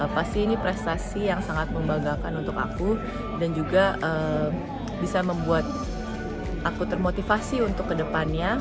pasti ini prestasi yang sangat membanggakan untuk aku dan juga bisa membuat aku termotivasi untuk kedepannya